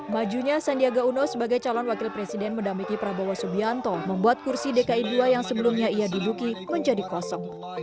majunya sandiaga uno sebagai calon wakil presiden mendampingi prabowo subianto membuat kursi dki ii yang sebelumnya ia duduki menjadi kosong